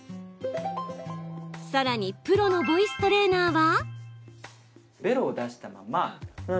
さらにプロのボイストレーナーは。